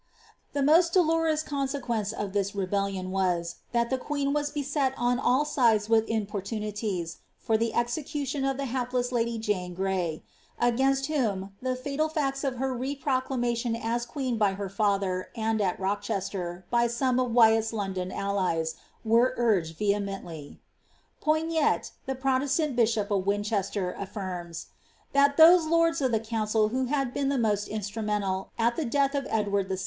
The most (iolorous consequence of tliis rebellion was, that the queeu was beset on all sides wiih importunities for the execution of the hip less lady Jane Gray ; against whom the fiital &cts of her re prodami tion as queen by her father, and at Rochester by some of Wyatt^s Loo don allies, were uiged vehemently. Poinet, the ProicHtant bishop of Winchester, affirms ^ that those lords of the council who had been the most instrumental, at the death of Edward VI.